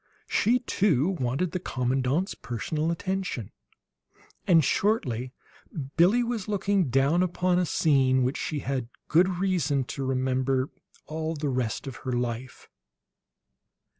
She, too, wanted the commandant's personal attention; and shortly Billie was looking down upon a scene which she had good reason to remember all the rest of her life.